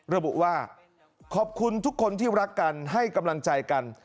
ระบุว่าขอบคุณทุกคนที่รักกันให้กำลังใจกัน